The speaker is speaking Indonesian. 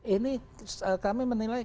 ini kami menilai